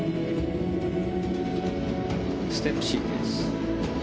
ステップシークエンス。